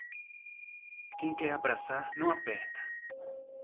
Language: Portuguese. Quem quer que abraça, não aperta.